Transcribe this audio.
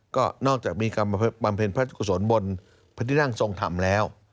ก็นอกจากมีกรรมแผนพระราชกุศลบนพระธิรั่งทรงธรรมแล้ว